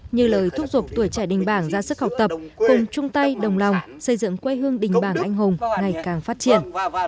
như lời thúc giục tuổi trẻ đình bảng ra sức học tập cùng chung tay đồng lòng xây dựng quê hương đình bảng anh hùng ngày càng phát triển